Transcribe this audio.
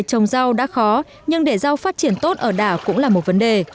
trồng rau đã khó nhưng để rau phát triển tốt ở đảo cũng là một vấn đề